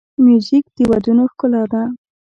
موزیک د ودونو ښکلا ده.